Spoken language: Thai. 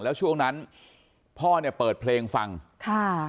แล้วช่วงนั้นพ่อเนี่ยเปิดเพลงฟังค่ะ